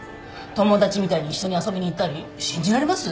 友達みたいに一緒に遊びに行ったり信じられます？